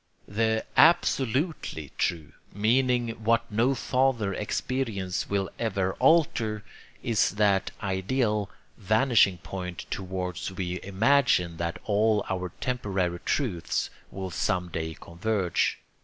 The 'absolutely' true, meaning what no farther experience will ever alter, is that ideal vanishing point towards which we imagine that all our temporary truths will some day converge.